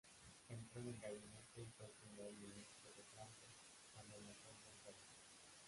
Entró en el gabinete y fue primer ministro de Francia cuando Napoleón cayó.